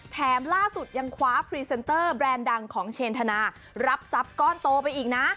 ล่าสุดยังคว้าพรีเซนเตอร์แบรนด์ดังของเชนธนารับทรัพย์ก้อนโตไปอีกนะ